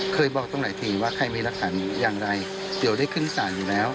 เคยบอกตรงหลายทีว่าใครมีหลักฐานอย่างไรเดี๋ยวได้ขึ้นศาลอยู่แล้ว